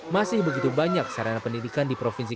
masih begitu banyak sarana pendidikan di provinsi